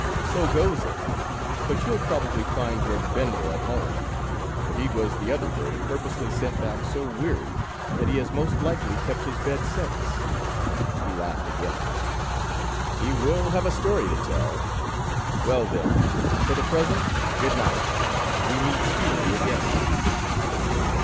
so goes it! But you 'll probably find your Bendel at home, for he was the other day purposely sent back so weary that he has most likely kept his bed since." He laughed again. " He will have a story to tell ! Well, then, for the present, good night ! We meet speedily again